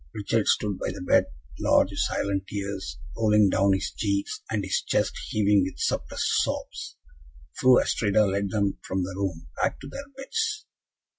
Richard stood by the bed, large silent tears rolling down his cheeks, and his chest heaving with suppressed sobs. Fru Astrida led them from the room, back to their beds.